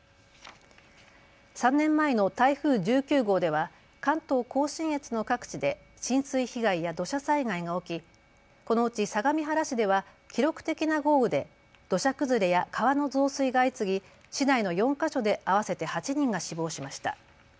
３年前の台風１９号では関東甲信越の各地で浸水被害や土砂災害が起き、このうち相模原市では記録的な豪雨で土砂崩れや川の増水が相次ぎ市内の４か所で合わせて８人が死亡しました。